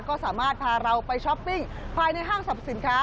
ก็สามารถพาเราไปช้อปปิ้งภายในห้างสรรพสินค้า